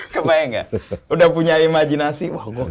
kebayang gak udah punya imajinasi